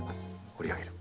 掘り上げる。